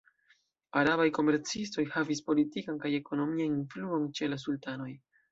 Arabaj komercistoj havis politikan kaj ekonomian influon ĉe la sultanoj.